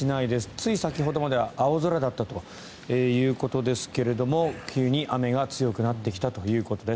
つい先ほどまでは青空だったということですが急に雨が強くなってきたということです。